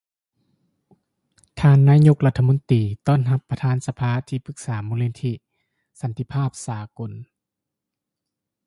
ທ່ານນາຍົກລັດຖະມົນຕີ ຕ້ອນຮັບປະທານສະພາທີ່ປືກສາມູນນິທິສັນຕິພາບສາກົນ